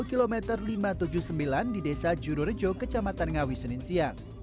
kilometer lima ratus tujuh puluh sembilan di desa jurorejo kecamatan ngawi senin siang